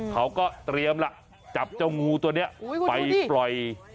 เขาก็เตรียมล่ะจับเจ้างูตัวนี้ไปปล่อย